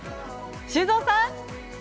修造さん！